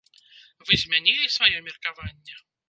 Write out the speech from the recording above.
Вы змянілі сваё меркаванне?